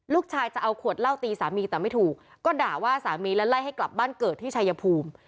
จะเอาขวดเหล้าตีสามีแต่ไม่ถูกก็ด่าว่าสามีและไล่ให้กลับบ้านเกิดที่ชายภูมิ